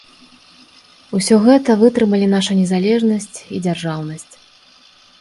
Усё гэта вытрымалі наша незалежнасць і дзяржаўнасць.